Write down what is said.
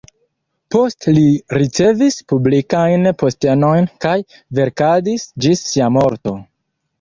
Poste li ricevis publikajn postenojn kaj verkadis ĝis sia morto.